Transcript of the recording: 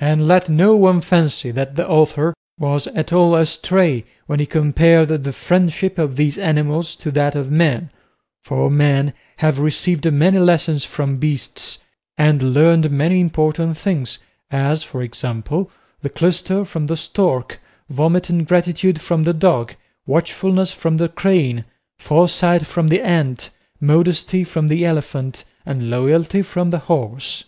And let no one fancy that the author was at all astray when he compared the friendship of these animals to that of men; for men have received many lessons from beasts, and learned many important things, as, for example, the clyster from the stork, vomit and gratitude from the dog, watchfulness from the crane, foresight from the ant, modesty from the elephant, and loyalty from the horse.